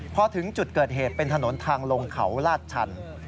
พอถึงจุดเกิดเหตุเป็นถนนทางลงเขาลาดชัน